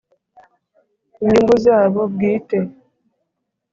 inyungu zabo bwite